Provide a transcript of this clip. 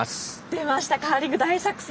出ましたカーリング大作戦。